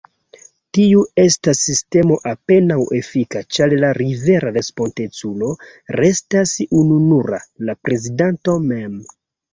Tiu estas sistemo apenaŭ efika, ĉar la vera respondeculo restas ununura: la prezidanto mem.